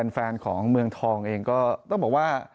แฟนของเมืองทองเองก็ต้องบอกว่า